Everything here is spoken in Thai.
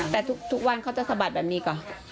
แต่ทุกวันเขาจะสะบัดแบบนี้ก่อน